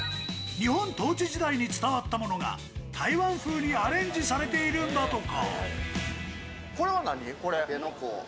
日本統治時代に伝わったものが台湾風にアレンジされているんだとか。